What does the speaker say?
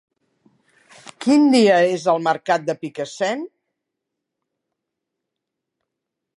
Quin dia és el mercat de Picassent?